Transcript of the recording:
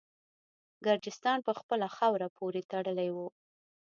ګرجستان په خپله خاوره پوري تړلی وو.